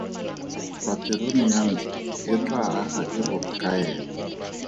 Paterone ya ntlha e tlaa aga e go kaela.